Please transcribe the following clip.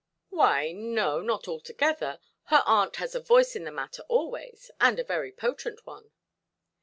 "Why, no, not altogether. Her aunt has a voice in the matter always, and a very potent one".